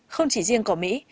không chỉ riêng cỏ mỹ